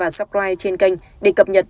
và subscribe trên kênh để cập nhật